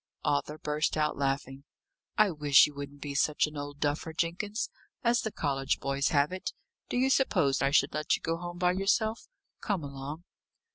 Arthur burst out laughing. "I wish you wouldn't be such an old duffer, Jenkins as the college boys have it! Do you suppose I should let you go home by yourself? Come along."